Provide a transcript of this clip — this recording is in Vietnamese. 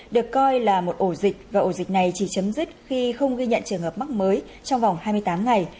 được coi là một ổ dịch và ổ dịch này chỉ chấm dứt khi không ghi nhận trường hợp mắc mới trong vòng hai mươi tám ngày